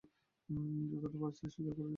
যতটা পারছি সোজা করে বলার চেষ্টা করছি।